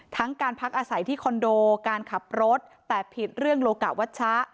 ทั้งการพักอาศัยที่คอนโดการขับรถแต่ผิดเรื่องโลกะวัชชะ